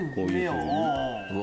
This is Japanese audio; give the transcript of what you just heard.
うわ！